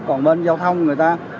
còn bên giao thông người ta